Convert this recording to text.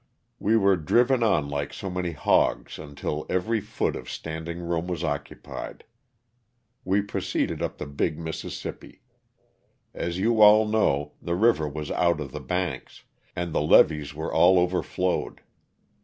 We were driven on like so many hogs until every foot of standing room was occupied. We proceeded up the big Mississippi. As you all know, the river was out of the banks, and the levees were all overflowed.